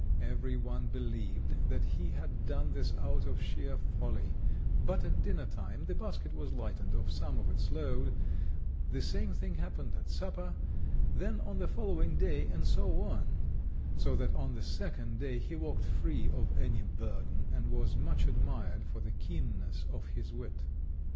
Every one believed that he had done this out of sheer folly; but at dinner time the basket was lightened of some of its load; the same thing happened at supper, then on the following day, and so on; so that on the second day he walked free of any burden, and was much admired for the keenness of his wit.